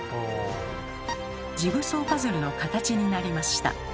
ジグソーパズルの形になりました。